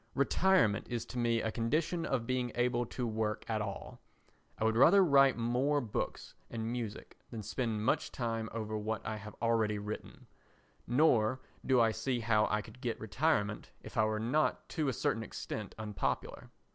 Retirement is to me a condition of being able to work at all. I would rather write more books and music than spend much time over what I have already written; nor do I see how I could get retirement if I were not to a certain extent unpopular.